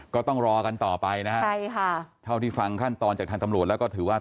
ก็ต้องรอกันต่อไปนะฮะใช่ค่ะเท่าที่ฟังขั้นตอนจากทางตำรวจแล้วก็ถือว่า